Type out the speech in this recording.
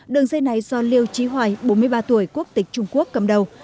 đường dây này do liêu trí hoài bốn mươi ba tuổi quốc tịch trung quốc cầm đầu